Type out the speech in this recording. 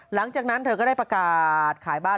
หลังจากนั้นเธอก็ได้ประกาศขายบ้าน